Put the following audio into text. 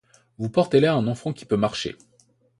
Vous portez là un enfant qui peut marcher.